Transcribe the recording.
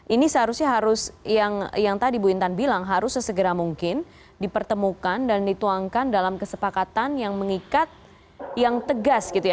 ini seharusnya harus yang tadi bu intan bilang harus sesegera mungkin dipertemukan dan dituangkan dalam kesepakatan yang mengikat yang tegas gitu ya